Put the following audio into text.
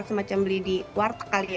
semacam beli di warteg kali ya